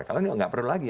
kalau ini nggak perlu lagi